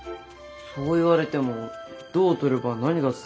そう言われてもどう撮れば何が伝わるのか。